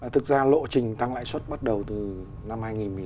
thực ra lộ trình tăng đại suất bắt đầu từ năm hai nghìn một mươi sáu